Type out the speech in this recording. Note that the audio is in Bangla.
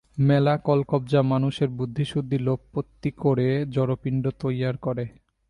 মেলা কলকব্জা মানুষের বুদ্ধিসুদ্ধি লোপাপত্তি করে জড়পিণ্ড তৈয়ার করে।